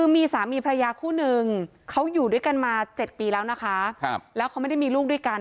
มีสามีพระยาคู่นึงเขาอยู่ด้วยกันมา๗ปีแล้วนะคะแล้วเขาไม่ได้มีลูกด้วยกัน